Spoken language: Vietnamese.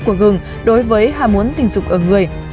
của gừng đối với hà muốn tình dục ở người